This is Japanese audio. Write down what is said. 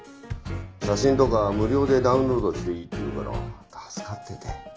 写真とか無料でダウンロードしていいっていうから助かってて。